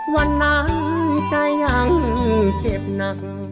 วันนั้นใจยังเจ็บหนัง